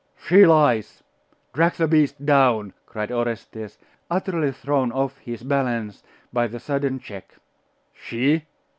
'She lies! Drag the beast down!' cried Orestes, utterly thrown off his balance by the sudden check. 'She?